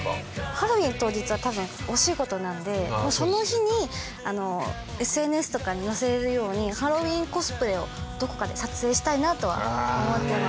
ハロウィーン当日は多分お仕事なんでその日にＳＮＳとかに載せれるようにハロウィーンコスプレをどこかで撮影したいなとは思ってます。